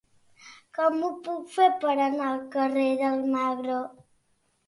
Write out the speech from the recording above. Com ho puc fer per anar al carrer d'Almagro?